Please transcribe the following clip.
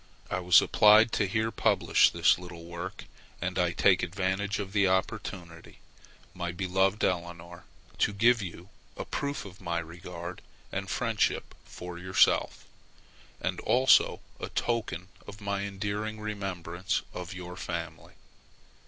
I was applied to here to publish this little work, and I take advantage of the opportunity, my beloved Eleonore, to give you a proof of my regard and friendship for yourself, and also a token of my enduring remembrance of your family.